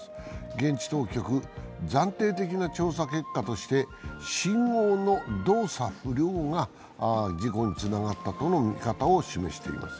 現地当局、暫定的な調査結果として信号の動作不良が事故につながったとの見方を示しています。